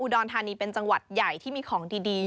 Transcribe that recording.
รธานีเป็นจังหวัดใหญ่ที่มีของดี